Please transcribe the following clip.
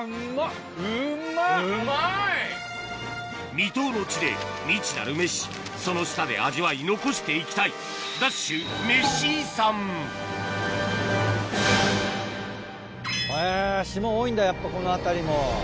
未踏の地で未知なるメシその舌で味わい残して行きたいへぇ島多いんだやっぱこの辺りも。